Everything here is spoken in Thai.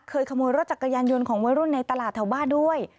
ขโมยรถจักรยานยนต์ของวัยรุ่นในตลาดแถวบ้านด้วย